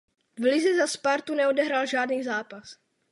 V lize za Spartu neodehrál žádný zápas.